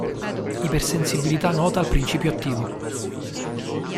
Ipersensibilità nota al principio attivo.